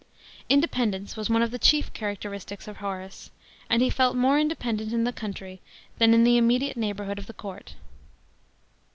Independence was one of the chief character istics of Horace, and he felt more independent in the country than in the immediate neighbourhood of the court.